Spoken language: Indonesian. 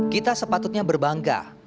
kita sepatutnya berbangga